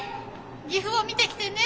岐阜を見てきてね！